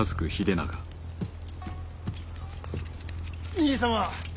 兄様。